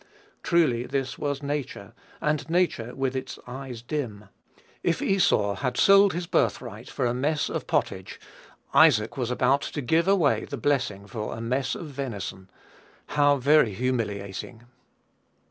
Truly this was nature, and nature with its "eyes dim." If Esau had sold his birthright for a mess of pottage, Isaac was about to give away the blessing for a mess of venison. How very humiliating!